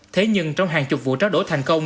thế nhưng trong hàng chục vụ tráo đổ thành công